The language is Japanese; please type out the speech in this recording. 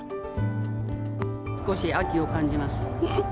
少し秋を感じます。